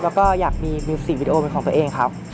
แล้วก็อยากมีมิวสิกวิดีโอเป็นของตัวเองครับ